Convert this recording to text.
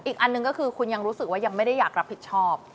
อีกอันหนึ่งก็คือคุณยังรู้สึกว่ายังไม่ได้อยากรับผิดชอบ